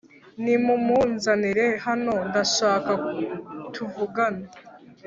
Nimumunzanire hano ndashaka tuvugana